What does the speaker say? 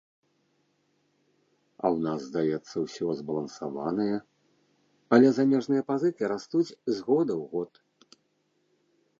А ў нас, здаецца, усё збалансаванае, але замежныя пазыкі растуць з года ў год.